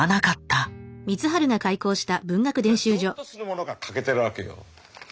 つまりぞっとするものが欠けてるわけよ。